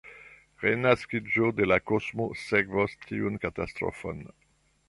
Renaskiĝo de la kosmo sekvos tiun katastrofon.